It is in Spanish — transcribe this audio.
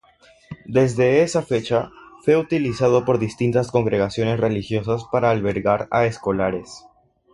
Desde esa fecha, fue utilizado por distintas congregaciones religiosas para albergar a escolares.